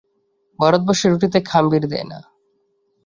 ভারতবর্ষে রুটিতে খাম্বির দেয় না।